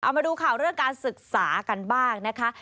มาดูข่าวเรื่องการศึกษากันบ้างนะคะ